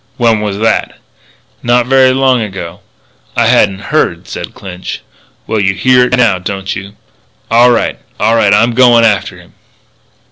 "When was that?" "Not very long ago." "I hadn't heard," said Clinch. "Well, you hear it now, don't you? All right. All right; I'm going after him."